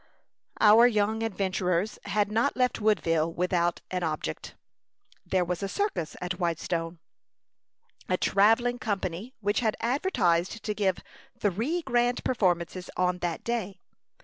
Our young adventurers had not left Woodville without an object. There was a circus at Whitestone a travelling company which had advertised to give three grand performances on that day.